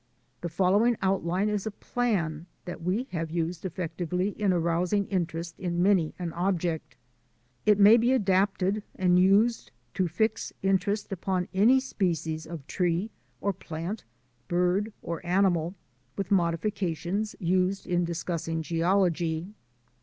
The following outline is a plan that we have used effectively in arousing interest in many an object. It may be adapted and used to fix in terest upon any species of tree or plant, bird or animal; with modifications used in discussing geology.